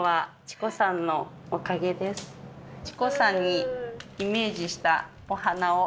智子さんにイメージしたお花を。